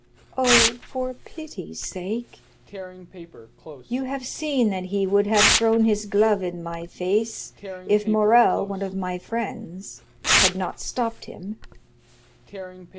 "Oh, for pity's sake!" "You have seen that he would have thrown his glove in my face if Morrel, one of my friends, had not stopped him."